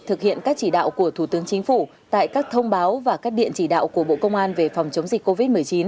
thực hiện các chỉ đạo của thủ tướng chính phủ tại các thông báo và các điện chỉ đạo của bộ công an về phòng chống dịch covid một mươi chín